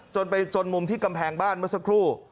จนไปจนมุมที่กำแพงบ้านเมื่อสักครู่